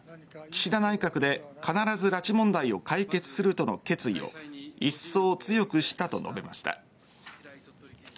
岸田内閣で必ず拉致問題を解決するとの決意をいっそう強くしたと述べました。